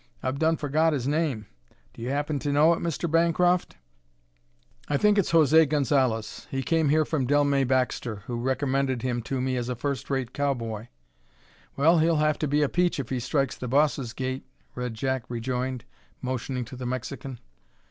I've done forgot his name; do you happen to know it, Mr. Bancroft?" "I think it's José Gonzalez. He came here from Dellmey Baxter, who recommended him to me as a first rate cowboy." "Well, he'll have to be a peach if he strikes the boss's gait," Red Jack rejoined, motioning to the Mexican.